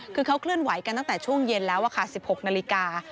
คือเขาเคลื่อนไหวกันตั้งแต่ช่วงเย็นแล้วค่ะ๑๖นาฬิกา